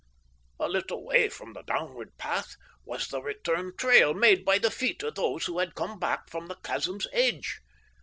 A little way from the downward path was the return trail made by the feet of those who had come back from the chasm's edge.